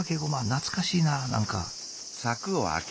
懐かしいな何か。